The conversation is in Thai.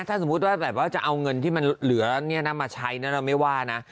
ถ้าสมมุติว่าแบบว่าจะเอาเงินที่มันเหลือมาใช้เราไม่ว่านะ